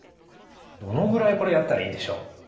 どのぐらいこれやったらいいんでしょう？